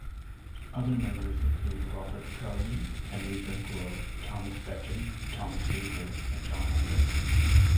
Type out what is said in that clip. Other members include Robert Crowley, Henry Brinkelow, Thomas Beccon, Thomas Lever, and John Hales.